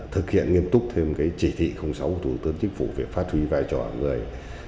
thực hiện nghiêm túc thêm cái chỉ thị sáu của thủ tướng chính phủ về phát huy vai trò người